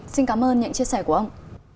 xin cảm ơn những chia sẻ của ông